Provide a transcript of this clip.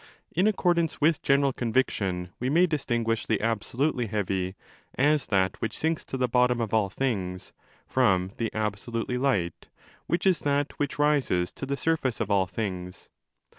In accordance with general conviction we may dis tinguish the absolutely heavy, as that which sinks to the bottom of all things, from the absolutely light, which is that which rises to the surface of all things.